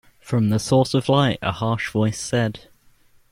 From the source of light a harsh voice said.